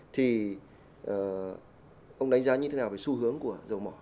thì ông đánh giá như thế nào về xu hướng của dầu mỏ